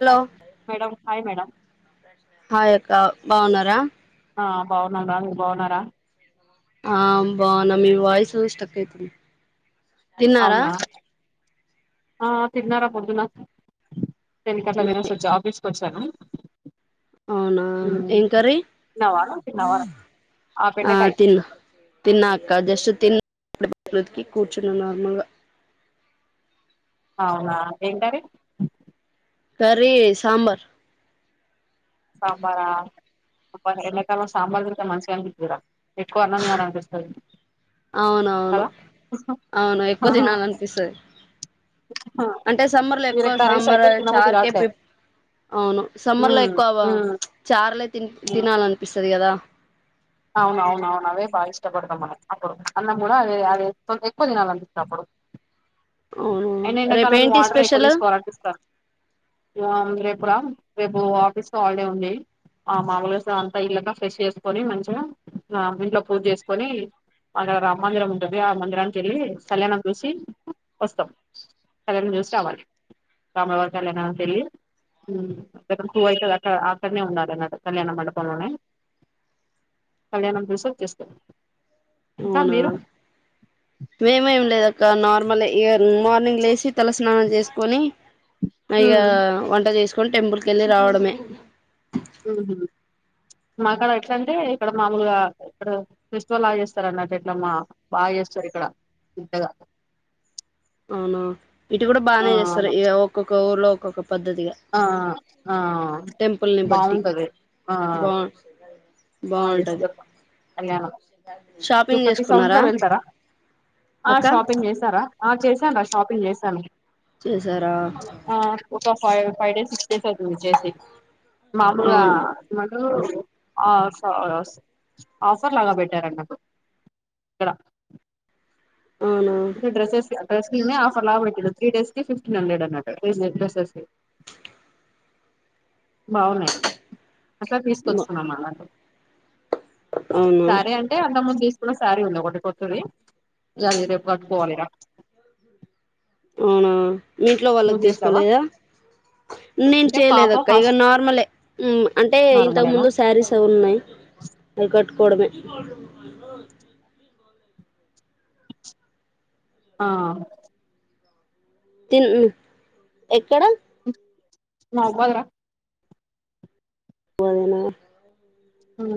Hello madam hi madam hi అక్కా బావున్నారా ఆ బాగున్నాం రా మీరు బాగున్నారా ఆ బావున్నాం మీ వాయిస్ స్టక్ అయితుంది తిన్నారా అవునా ఆ తిన్నారా పొద్దున్న టెన్ కట్లా తినేసి వచ్చా ఆఫీస్ కి వచ్చాను అవునా హ్మ్. ఏంకరీ తిన్నావా తిన్నావా ఆ తిన్న తిన్నాక జస్ట్ తి ఇప్పుడుృతికి కూర్చున్న నార్మల్గా అవునా ఏంటది కరీ సాంబార్ సాంబారా అబ్బా ఎండాకాలం సాంబార్ తింటే మంచిగా అనిపిస్తాదిరా ఎక్కువ అన్నం తినాలనిపిస్తుంది అవునవును అవును ఎక్కువ తినాలని పిస్తుంది అంటే సమ్మర్ లో వేరే ఎక్కువ కర్రీస్ సాంబార్ అయితే తినబుద్ధి చార్కే కావట్లే అవును సమ్మర్ లో ఉమ్ ఎక్కువ ఉమ్ చార్లే తి తినాలనిపిస్తుంది సరిద కదా అవున అవున అవున అవే బాగా ఇష్టపడతాం మనం అప్పుడు అన్నం కూడా అదే అవి ఎక్కువ దినాలు అందిస్తున్నప్పుడు అవును అయినా ఎడాకాల రేపు ఏంటి ఆర్టర్ ఎక్కువ స్పెషల్ తీసుకోవాలనిపిస్తారు రేపు రేపు ఆఫీస్ హాలిడే ఉంది ఆ మామళ్వరం అంతా ఇల్లుగా ఫ్రెష్ చేసుకొని మంచి ఇంట్లో పూవ్ చేసుకొని అక్కడ రామ్ మందిరం ఉంటుంది ఆ మందిరానికి వెళ్ళి కళ్యాణం చూసి వస్తాం కళ్యాణం చూసి రావాలి రామవారి కళ్యాణానికిళ్ళి అడ పుూవ్ అయితుంది అక్కడ అక్కడనే ఉన్నాల అన్నట కళ్యాణ మండపంలోనే కళ్యాణం దస చేస్తాం అవునా మేమ్ ఏం లేదా ఇక నార్మల్ మార్నింగ్ లేసి తల స్నానం చేసుకొనిగా వంట చేసుకు ని టెంపుల్క వెళ్ళి రావడమే ఉహ మాక్కడ ఎట్లా అంటే ఇక్కడ మామూలుగా ఇక్కడ ఫెస్టివల్ బలాగా చేస్తారు అన్నట్టు ఎట్లా మా బాగా చేస్తారు ఇక్కడ పెద్దగా అవునా ఇటు కూడా ఆ బాగానే చేస్తారు ఒక్కొక్క ఊర్లో ఒక్కొక్క పద్ధతిగా ఆ ఆ టెంపుల్ ని బట్టి బాగుంటది బా ఆ ఎస్ బాగుంటది గ కళ్యాణం మీ షాపింగ్ ప్రతి సట్ లో చేసుకున్నారా వెళ్తారా ఆ అక్క షాపింగ్ చేసా చేశాను రా షాపింగ్ చేశాను చేశారా ఆ ఫైవ్ ఫైవ్ డేస్ ఇచ్చేశారు చేసింద్ మాములుగా అవును ఆ ఆఫర్ లాగా పెట్టారు అంట. ఇక్కడ అవునా ఇంక డ్రెస్సెస్సే అంత్ డ్రెస్ మీదనే ఆఫర్ లాబట్టింది త్రీ డేస్ కి ఫిఫ్టీన్ హండ్రెడ్ అన్నట్టు ఈజీగ డ్రెస్సెస్ కి బాగున్నాయి. అట్ల తీసుకొచ్చుకున్నాం అలాగే అవునా సరే అంటే అంతక్ ముందు తీస్ కొన్న సారీ ఉంది ఒకటి కొత్తద్దీ. దాన్ని రేప్ కట్టుకోవాలి రా అవునా. మీఇంట్లో వాళ్ళకి తీసుకోలేదా. నేను అంటే పాప చేయలేదక్క ఇగ ఫాస్ట్ నార్మలే, ఉమ్ అంటే ఇంతకు నార్మలేనా ముందు శారీస్ అవి ఉన్నయి. అవి కట్ టుకోవడమే. ఆ తిన్ ఎక్కడ మహబూబాద్ రా పోదునా హా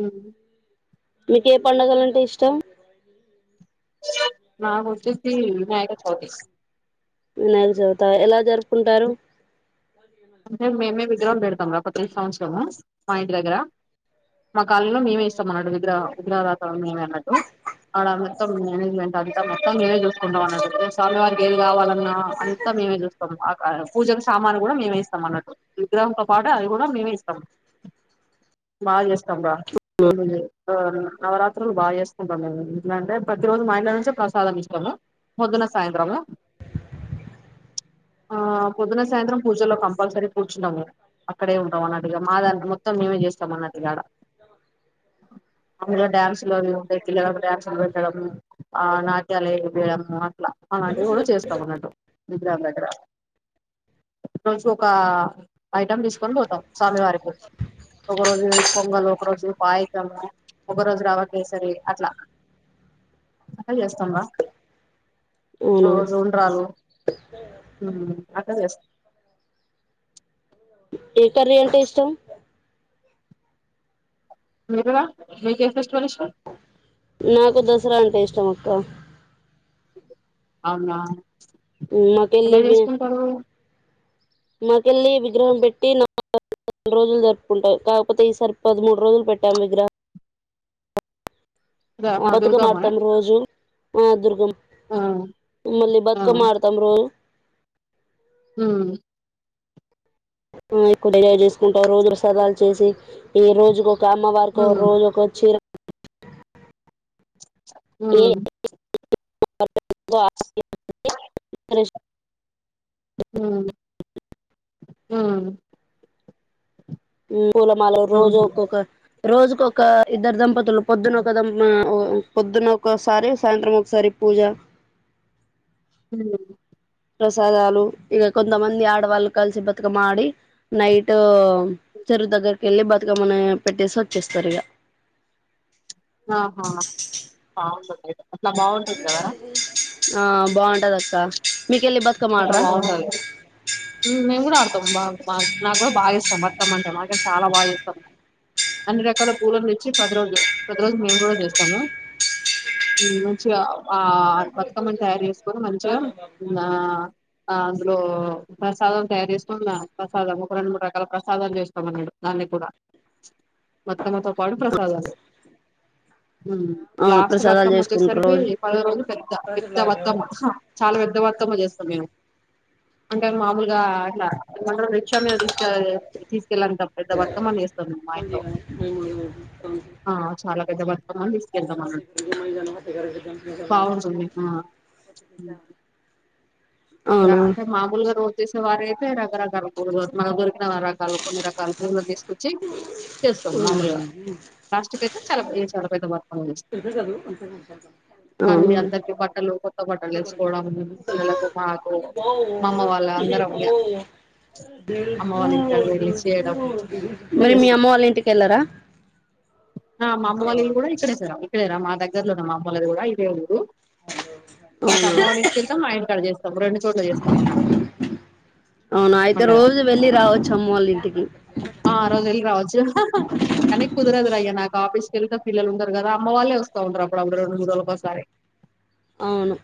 మీకే పండగలంటే ఇష్టం. నాక్ వచ్చేసీ వినాయక చవితి. వినాయక చవితా. ఎలా జరుపుకుంటారు. అంటే మేమే విగ్రహం పెడతాం రా ప్రతీ సంవత్సరమూ. మా ఇంటి దగ్గరా. మా కాలనిలో మేమే ఇస్తాం అన్నట్టు విగ్రహం. విగ్రహదాతా మేమే అన్నట్టూ. ఆడ మొత్తం మేనేజ్మెంట్ అంతా మొత్తం మేమే చూసుకుంటాం అన్నట్టు. స్వామి వారికి ఏది కావాల న్నా అంతా మేమే చూస్తాము. ఆ డ పూజకు సామాను కూడా మేమే ఇస్త్ స్తాం అన్నట్టు. విగ్రహంతో పాటు అవి గూడా మేమే ఇస్తాం. బాగా చేస్తాం రా కొండ్లు లేవ్ నవరాత్రులు బాచేసుకుంటాం మేం. ఇంట్లా అంటే ప్రతిరోజు మా ఇంట్లో నుంచే ప్రసాదం ఇస్తాము. పొద్దున సాయంత్రము, ఆ పొద్దున సాయంత్రం పూజలో కంప్ పల్సరీ కూర్చున్నాము. అక్కడే ఉంటాం అన్నట్టుగా మా దాని మొత్తం మేమే చేస్తాం అన్నట్టుగాడ. మాములుగా డ్యాన్సులు అవి ఇవి ఉంటాయి పిల్లలకు డ్యాన్సులు పెట్టడమూ, ఆ నాట్యాలెయ డమూ అట్లా, అలాంటివి కూడా చేస్తాము అన్నట్టు. విగ్రహం దగ్గరా. [unintelligible] ఒకా ఐటం తీసుకొని పోతాం స్వామి వారికి. ఒక రోజూ పొంగలు, ఒక రోజు పాయసమూ, ఒక రోజు రవ్వకేసరీ అట్లా. అట్లా చేస్తామ్ రా. ఓ అవునా రోజు ఉండరాళ్ళు. ఉమ్ అట్ల చేస్త ఏ కర్రీ అంటే ఇష్టం. మీకురా మీక్ ఏ ఫెస్టివల్ ఇష్టం. నాకు దసరా అంటే ఇష్టం అక్క. అవునా. ఎలా మాకెళ్ళి ఇవే చేసుకుంటారు మాకెళ్ళి విగ్రహం పెట్టి నాలుగురోజులు జరుపుకుంటారు ద- ఆ, బతుకమ్మ దుర్గమ్మ ఆడతాం రోజు ఆ దుర్గమ్మ మల్ళీ ఆ బతుకమ్మ ఆడుతాం రోజు హ ఎక్వ డిర చేసుకుంటాం రోజు ప్రసాదాలు చేసి ఈ రోజుకు అమ్మ వారికి ఉమ్ రోజు ఒక చీర ఆ ఏ హ అ పూలమాల రోజు ఉహు ఒక్కొక్క రోజుకొక ఇద్దరు దంపతులు పొద్దున ఒక దం ఆ పొద్దున్న ఒకసారి సాయంత్రం ఒకసారి పూజ హ ప్రసాదాలు ఇగ కొంతమంది ఆడవాళ్ళు కలిసి బతుకమ్మ ఆడి నైట్ చెరువు దగ్గరికి వెళ్ళి బతుకమ్మని పెట్టేసి వచ్చేస్తారు ఇక ఆహా ఆ అట్లా బాగుంటుది కదా ఆ బాగుంటది అక్క మీకెళ్ళి బతుకమ్మ అట్లా ఆడరా బాగుంటది మేం కూడా అడ్ మాక్ మాక్ నాకు కూడా బాగా ఇష్టం బతుకమ్మ అంటే మాకేలి చాలా బాగా చేతం అన్ని రకాల పూలను తెచ్చి ప్రతి రోజు ప్రతిరోోజు మేము కూడా చేస్తాము మంచిగా ఆ బతుకమ్మని తయారు చేసుకొని మంచిగా ఆ ఆమ్ అందులో ప్రసాదం తయారు చేస్తున్నా ప్రసాదం ఒక రెండు మూడు రకాల ప్రసాదాలు చేస్తామన్నాడు దాన్ని కూడా బతుకమ్మతో పాటు ప్రసాదాలు అవును లాస్ట్ ప్రసాదాలు బతుకమ్మ చేసుకుంటారు వచ్చేసరికి రోజు పదో రోజులు పెద్ద పెద్ద బతుకమ్మ చాలా పెద్ద బ మ్మ చేస్తాం మేము అంటే మామూలుగా అట్లా రిక్ష మీద తీసుకెల్లె తీసుక కెళ్లేంత పెద్ద బతుకమ్మ చేస్తాం మీము మా ఇంట్లో ఆ చాలా పెద్ద బత్ కమ్మను తీసుకెళ్తం అన్నట్టు బాగుంటుంది ఆ అవునా అంటే మామూలుగా రోజు చేసేవారి అయితే రకరకాలు తరువాత మనకు దొరికిన రకాలు కొన్ని రకాలు పలు తీసుకొచ్చి చేస్తాం మామూలుగా లాస్ట్క్ అయితే చాలా చాలా పెద్ద బతు కానీ అవునా అందరికి బట్టలు కొత్త బట్టలు వేసుకోవడం పిల్లల అమ్మ వాళ్ళ ఇంటికాడ రిలీజ్ చేయడం అట్లా మరి మీ చేస్తాం అమ్మ వాళ్ళ ఇంటికి వెళ్ళారా ఆ మా అమ్మ వాల్ల ఇల్లు కూడా ఇక్కడే సర్ ఇక్కడేరా మా దగ్గర్లోనే మా అమ్మలది కూడా ఇదే ఊరు ఆ అవునా అమ్మ వాళ్ళ ఇంటికి వెళ్తాం మా ఇంటికాడ చేస్తాం రెండు చోట్ల చేస్తాం అవునా అయితే పండగ రోజు వెళ్ళి రావచ్చు అమ్మ వాళ్ళ ఇంటికి ఆ రోజు వెళ్లి రావచ్చు కానీ కుదరదురుయ్యా నాకు ఆఫీస్ ఇల్లంతా పిల్లలే ఉంటారు కదాఅమ్మవాళ్ళే వస్తా ఉంటారు అప్పుడప్పుడు రెండుమూడురోజులకు ఒకసారి అవును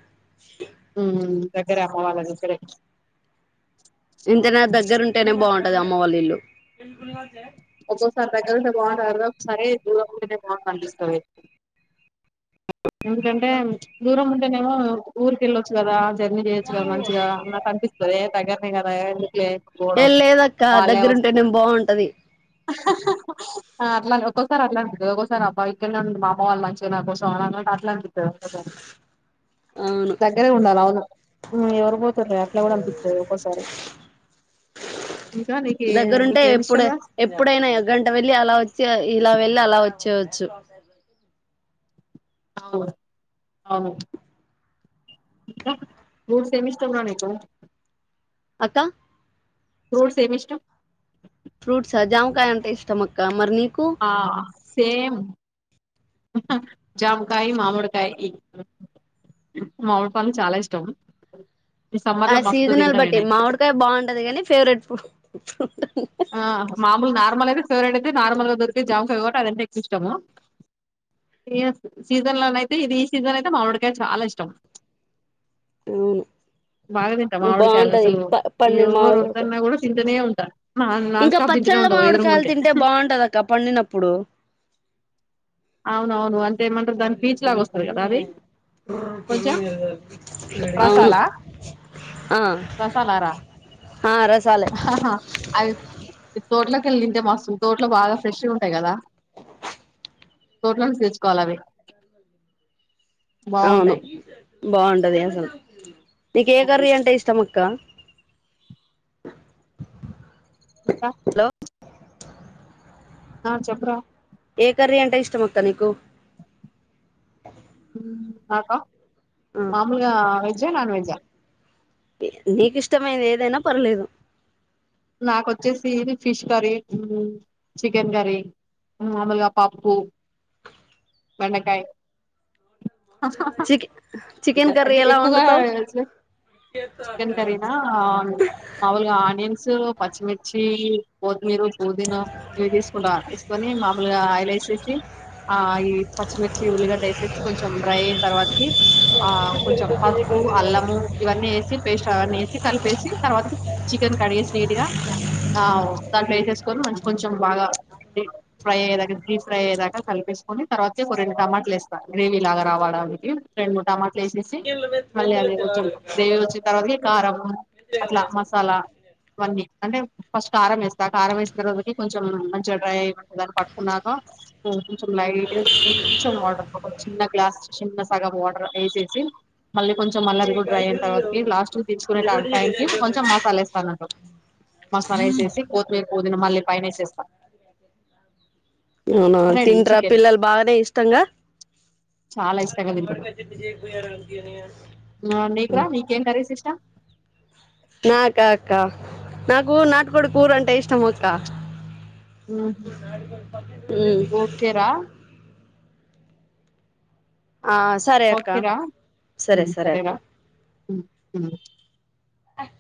ఉమ్ దగ్గరే అమ్మా వాళ్ళ దగ్గరే ఇంతనా దగ్గర ఉంటేనే బాండు అది అమ్మ వాళ్ళ ఇల్లు ఒక్కోసారి దగ్గరుంటే బాగుంటాది ఒకసారి దూరంగా ఉంటేనే బాగుండు అనిపిస్తది ఎందుకని అంటే దూరం ఉంటేనేమో ఊరుకి వెళ్ళచ్చు కదా జర్నీ చేయొచ్చు కదా మంచిగా నాకనిపిస్తది. ఏ దగ్గరనే కదా ఎందుకులే పోవడం ఏం లేదక్క వాళ్ళే దగ్గరుంటేనే బావుంటది అట్లా ఒకో ఒకోసారి అట్లాంటి ఒకసారి అబ్బా ఇక్కడే ఉన్నారు మాఅమ్మ వాళ్ళు మంచిగా నా కోసం అ అట్లాంటి [unintelligible] అవును దగ్గరే ఉండాల అవును హ్మ్ ఎవరు పోతారు అట్లా కూడా అనిపిస్తది ఒక్కోసారి ఇంకా నీకే దగ్గరుంటే నీకేమి ఎప్పుడు ఇష్టము ఎప్పుడైనా ఎ గంట వెళ్ళి అలా వచ్చి ఇలా వెళ్ళి అలా వచ్చేయచ్చు మూడు సెమిస్టర్లే నీకు అక్క ఫ్రూట్స్ ఏమి ఇష్టం ఫ్రూట్సా జామకాయ అంటే ఇష్టమ అక్క మరినీ ఆ సేమ్ జామకాయ మామిడికాయ మామిడి పండు చాలా ఇష్టం ఈ సమ్మర్ ఆ లో మస్తు సీజనల్ తింటా బట్టి నేనైతే మామిడికాయ బావుంటది గాని ఫేవరెట్ ఫ్రూ ఆ మామూలు నార్మల్ అయితే ఫేవరెట్ అయితే నార్మల్ గా దొరికే జామకాయ కాబట్టి అదంటే ఎక్కువ ఇష్టము సీజన్ లోనయితే ఇది ఈ సీజన్ అయితే మామిడికాయ్ చాలా ఇష్టం అవును బాగా తింటాం మామిడి కాయలు బాగుంటది అసలు ప పండిన ఎవరు మామిడికాయ వద్దన్నా కూడా తింటనే ఉం ఇంకా పచ్చళ్ళ మామిడికాయలు ఉంటే తింటే బావుంటదక్క పండినప్పుడు అవునవును అం కొంచెం అవును రసాలా ఆ రసాలారా ఆ రసాలె అవి తోటలోకి వెళ్ళి తింటే మస్తు తోట్లో బాగా ఫ్రెష్గా ఉంటాయి కదా తోటలోంచి తెచ్చుకోవాలవి అవును బావుంటది అసలు నీకు ఏ కర్రీ అంటే ఇష్టము క్క ఇంకా ఆ చెప్పరా ఏ కర్రీ అంటే ఇష్టమక్క నీకు నాకా ఆ మామూలుగా వెజ్జా నాన్ వెజ్జా నీకు ఇష్టమైంది ఏదైనా పర్లేదు నాకు వచ్చేసి ఇది ఫిష్ కర్రీ చికెన్ కర్రీ మామూలుగా పప్పు బెండకాయ్ చికె చికెన్ కర్రీ అంటే ఎలా ఎక్కువగా వండుతావు చికెన్ కర్రీనా మామూలుగా ఆనియన్ పచ్చిమిర్చి పో మీరు పుదీనా ఇవి తీసుకుంట తీసుకొని మామూలుగా ఆయిల్ వేసేసి ఆ ఈ పచ్చిమిర్చి ఉల్లిగడ్డ వేసేసి కొంచెం డ్రై అయిన తర్వాతకి ఆ కొంచెం పసుపు అల్లము ఇవన్నీ వేసి పేస్ట్ అవన్నీ వేసి కలిపేసి తర్వాతకి చికెన్ కడిగేసి నీట్ గా ఆ దాంట్లో వేసేసుకోని మంచి కొంచం బాగా ఫ్రై అయ్యేదాకా డీప్ ఫ్రై అయేదాకా కలిపేసుకొని తర్వాత ఒక రెండు టమాటాలు వేస్తా గ్రేవీ లాగా రావడానికి రెండు మూడు టమాట స్లేసేసి మళ్ళ అది కొంచెం గ్రేవీ వచ్చే తర్వాత కారం అట్లా మసాలా అవన్నీ అంటే ఫస్ట్ కారం వేస్తా కారం వేసిన తర్వాతకి కొంచెం మంచిగా డ్రై అయిపో దాన్ని పట్టుకున్నాక కొంచెం లైట్ గా కొంచెం వాటర్ ఒక చిన్న గ్లాస్ చిన్న సగం వాటర్ ఏసేసీ మళ్ళీ కొంచెం మళ్ళా అది కూడా డ్రై అయిన తరువాతకి లాస్ట్కి దించుకునే టైం కి కొంచం మసాలేస్తా అన్నట్టు మసాలా వేసేసి కొత్తిమీర్ పోదిన మళ్ళీ పైన వేసేస్త అవునా తింటరా పిల్లలు బాగానే ఇష్టంగా చాలా ఇష్టంగా తింటారు నీకురా నీకేం కర్రీస్ ఇష్టం నాకా అక్క నాకు నాటుకోడు కూర అంటే ఇష్టం అక్క ఉమ్ ఓకేరా ఆ సరే అక్క ఓకేరా సరే సరే అక్క సరేరా [unintelligible] హై